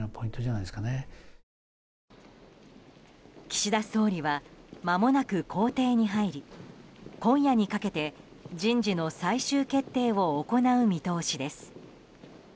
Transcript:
岸田総理はまもなく公邸に入り今夜にかけて人事の最終決定を行う見通しです。